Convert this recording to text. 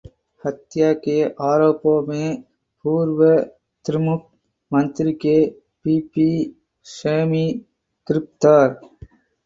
हत्या के आरोपों में पूर्व द्रमुक मंत्री के. पी. पी. सैमी गिरफ्तार